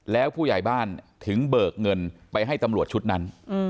แล้วผู้ใหญ่บ้านถึงเบิกเงินไปให้ตำรวจชุดนั้น